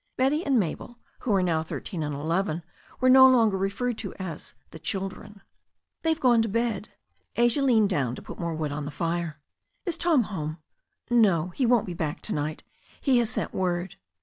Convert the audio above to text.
Betty and Mabel, who were now thirteen and eleven, were no longer referred to as the "children." "They've gone to bed." Asia leaned down to put more wood on the fire. "Is Tom home?" "No. He won't be back to night. He has sent word."